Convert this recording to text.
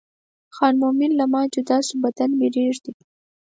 خان مومن له ما جدا شو بدن مې رېږدي.